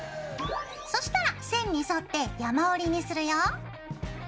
そしたら線に沿って山折りにするよ。